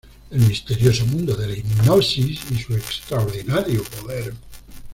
El misterioso mundo de la hipnosis y su extraordinario poder.